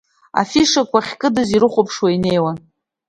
Афишақәа ахькыдыз ирыхәаԥшуа инеиуан.